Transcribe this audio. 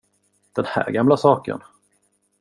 Den här gamla saken?